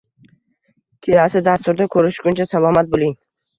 Kelasi dasturda ko‘rishguncha salomat bo‘ling!